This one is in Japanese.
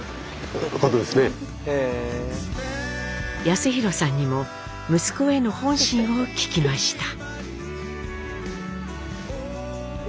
康宏さんにも息子への本心を聞きました。